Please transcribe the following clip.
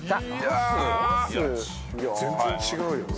全然違うよな。